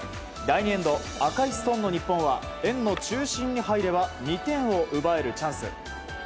第２エンド赤いストーンの日本は円の中心に入れば２点を奪えるチャンス。